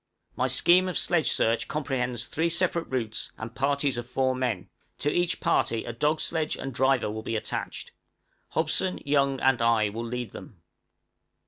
My scheme of sledge search comprehends three separate routes and parties of four men; to each party a dog sledge and driver will be attached; Hobson, Young, and I will lead them.